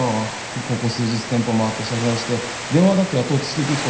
ここ数日店舗回って謝罪して電話だってやっと落ち着いてきたとこなのに。